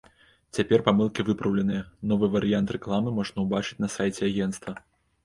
Цяпер памылкі выпраўленыя, новы варыянт рэкламы можна ўбачыць на сайце агенцтва.